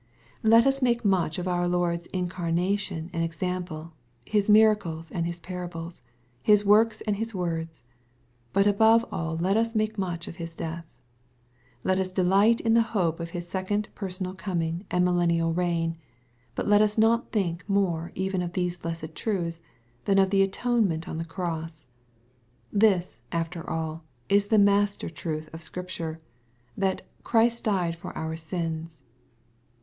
Let us make much of our Lord's incarnation and exam ple. His miracles and his parables. His works and His words, but above all let us make much of His death. Let us delight in the hope of his second personal coming and millennial reign, but let us not think more even of these blessed truths, than of the atonement on the cross. This, after all, is the master tpith of Scripture, that ^' Christ died for our sins.